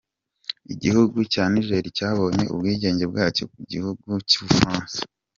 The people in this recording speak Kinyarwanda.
Igihugu cya Niger cyabonye ubwigenge bwacyo ku gihugu cy’u Bufaransa.